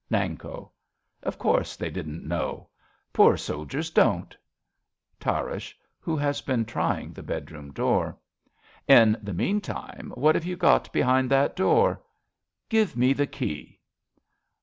Nanko. Of course they didn't know ! Poor soldiers don't. Tarrasch (who has been trying the bedroom door). In the meantime, what have you got behind that door? Give me the key.